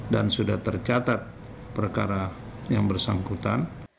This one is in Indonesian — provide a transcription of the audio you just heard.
dan sudah tercatat perkara yang bersangkutan